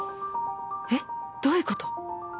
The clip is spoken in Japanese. えっどういうこと？